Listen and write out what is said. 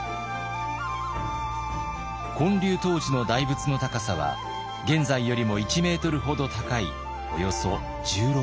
建立当時の大仏の高さは現在よりも１ｍほど高いおよそ１６ｍ。